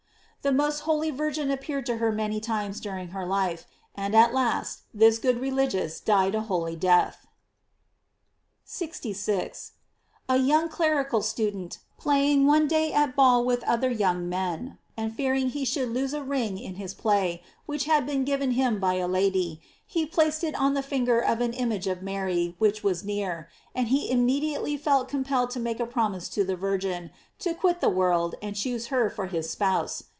The most holy Virgin appeared to her many times during her life, and at last this good religious died a holy death. f 66. — A young clerical student playing one day at ball with other young men, and fearing he should lose a ring in his play, which had been given him by a lady, he placed it on the finger of an image of Mary which was near; and he immediately felt impelled to make a promise to the Virgin to quit the world and choose her for his spouse.